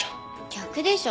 逆でしょ。